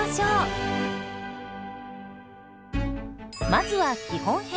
まずは基本編。